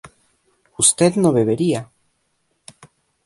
usted no bebería